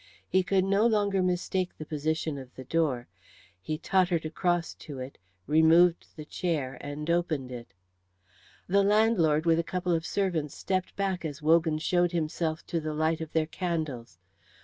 He could no longer mistake the position of the door; he tottered across to it, removed the chair, and opened it. The landlord with a couple of servants stepped back as Wogan showed himself to the light of their candles.